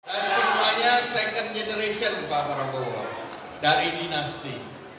dan semuanya second generation pak prabowo dari dinasti